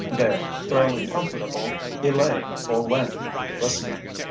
There, fairly comfortable, he lay, full length, listening.